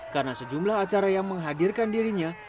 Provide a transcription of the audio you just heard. karena sejumlah acara yang menghadirkan dirinya